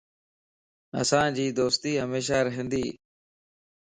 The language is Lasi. اسانجي دوستي ھميشا رھندي